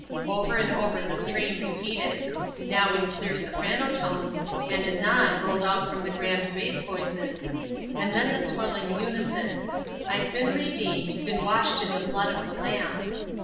Over and over the strain repeated. Now in clear soprano tones, and anon rolled out from the grand bass voices. And then the swelling unison: "I've been redeemed Been washed in the blood of the Lamb."